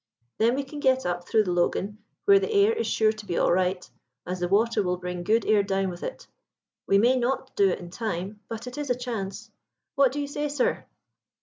"Then we can get up through the 'Logan,' where the air is sure to be all right, as the water will bring good air down with it. We may not do it in time, but it is a chance. What do you say, sir?"